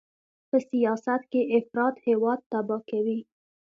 په سیاست کې افراط هېواد تباه کوي.